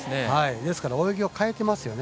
ですから、泳ぎを変えてますよね。